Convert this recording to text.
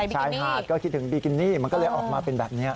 ชายหาดก็คิดถึงบิกินี่มันก็เลยออกมาเป็นแบบนี้